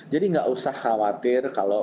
jadi gak usah khawatir kalau